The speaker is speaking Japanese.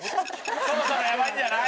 そろそろやばいんじゃない？